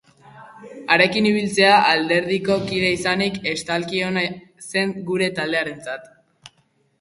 Harekin ibiltzea, alderdiko kide izanik, estalki ona zen gure taldearentzat.